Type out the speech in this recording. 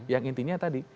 yang intinya tadi